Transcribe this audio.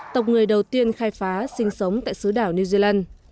tộc người đầu tiên khai phá sinh sống tại xứ đảo new zealand